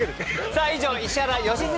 さあ以上石原良純